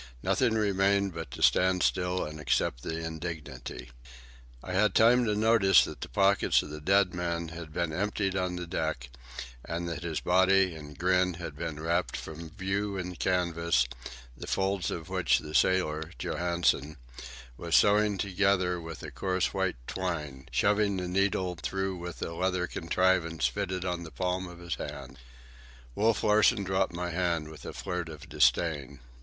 Nothing remained but to stand still and accept the indignity. I had time to notice that the pockets of the dead man had been emptied on the deck, and that his body and his grin had been wrapped from view in canvas, the folds of which the sailor, Johansen, was sewing together with coarse white twine, shoving the needle through with a leather contrivance fitted on the palm of his hand. Wolf Larsen dropped my hand with a flirt of disdain.